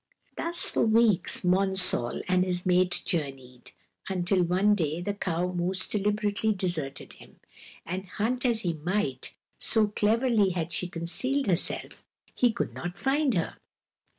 Thus for weeks Monsall and his mate journeyed, until one day the cow moose deliberately deserted him, and hunt as he might, so cleverly had she concealed herself, he could not find her.